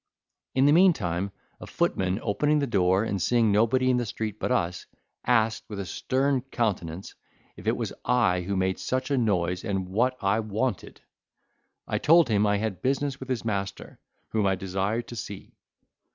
In the meantime, a footman opening the door, and seeing nobody in the street but us, asked, with a stern countenance, if it was I who made such a noise, and what I wanted. I told him I had business with his master, whom I desired to see.